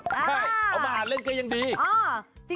ใช่เอามาอ่านเล่นกันอย่างดี